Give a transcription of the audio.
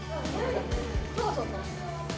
そうそう。